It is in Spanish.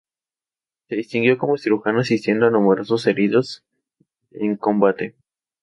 Se distinguió como cirujano asistiendo a numerosos heridos en combate.